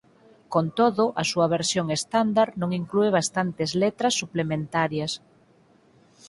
Con todo a súa versión "estándar" non inclúe bastantes letras suplementarias.